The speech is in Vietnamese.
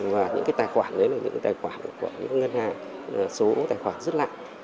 và những cái tài khoản đấy là những tài khoản của những ngân hàng số tài khoản rất lạ